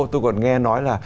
tôi còn nghe nói là